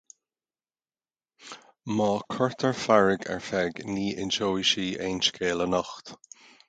Má curtar fearg ar Pheig ní inseoidh sí aon scéal anocht.